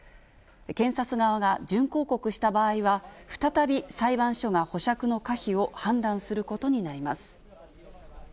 検察側が準抗告した場合は、再び裁判所が保釈の可否を判断することになります。